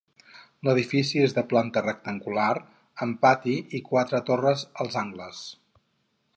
L'edifici és de planta rectangular, amb pati i quatre torres als angles.